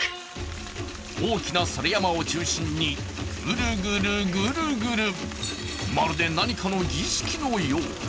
大きな猿山を中心にぐるぐるぐるぐるまるで、何かの儀式のよう。